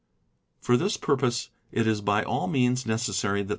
For this purpose it is by all means necessary that.